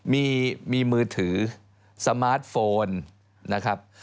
มีมือถือสมาร์ทโฟนนะครับ